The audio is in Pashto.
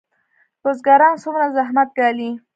بزګران څومره زحمت ګالي؟